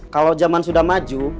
kalau jaman sudah maju